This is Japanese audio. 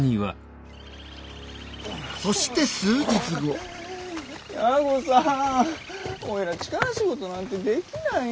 そして数日後弥五さんおいら力仕事なんてできないよ！